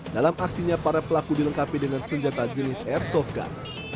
dalam aksinya para pelaku dilengkapi dengan senjata jenis airsoft gun